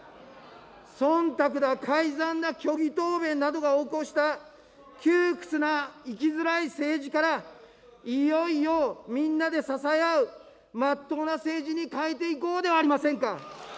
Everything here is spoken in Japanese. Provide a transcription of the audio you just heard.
そんたくだ、改ざんだ、虚偽答弁などが横行した窮屈な生きづらい政治から、いよいよみんなで支え合う、まっとうな政治に変えていこうではありませんか。